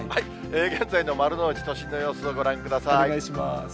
現在の丸の内、都心の様子をご覧ください。